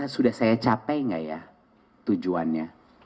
sudah saya capek gak ya tujuannya